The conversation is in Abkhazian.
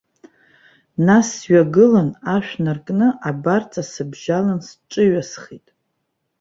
Нас сҩагылан ашә наркны, абарҵа сыбжьалан сҿыҩасхеит.